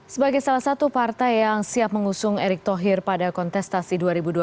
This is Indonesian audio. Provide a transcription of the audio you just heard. sebagai salah satu partai yang siap mengusung erick thohir pada kontestasi dua ribu dua puluh